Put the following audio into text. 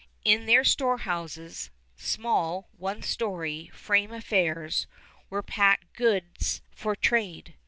In their storehouses small, one story, frame affairs were packed goods for trade.